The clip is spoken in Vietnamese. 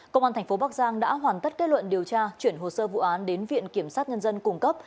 công an tp bắc giang đã hoàn tất kết luận điều tra chuyển hồ sơ vụ án đến viện kiểm sát nhân dân cung cấp